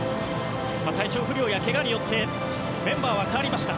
体調不良やけがによってメンバーは変わりました。